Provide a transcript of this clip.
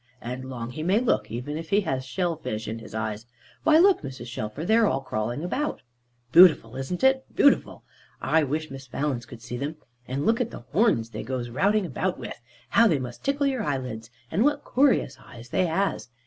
"And long he may look, even if he has shellfish in his eyes. Why look, Mrs. Shelfer, they're all crawling about!" "Bootiful, isn't it? Bootiful! I wish Miss Valence could see them. And look at the horns they goes routing about with! How they must tickle your eyelids. And what coorious eyes they has!